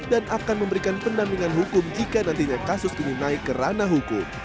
dan akan memberikan pendampingan hukum jika nantinya kasus ini naik kerana hukum